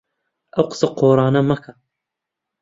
ئەو قسە قۆڕانە مەکە.